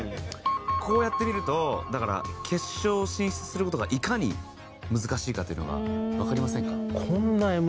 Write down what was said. こうやって見るとだから決勝進出する事がいかに難しいかというのがわかりませんか？